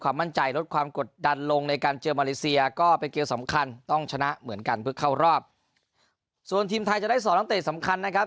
ส่วนความกดดันลงในการเจอมาเลเซียก็เป็นเกมสำคัญต้องชนะเหมือนกันเพื่อเข้ารอบส่วนทีมไทยจะได้สองนักเตะสำคัญนะครับ